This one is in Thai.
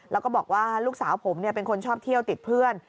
แล้วก็บอกว่าลูกสาวผมเป็นคนชอบเที่ยวติดเพื่อน